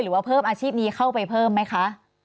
ว่าเพิ่มอาชีพนี้เข้าไปเพิ่มไหมคะ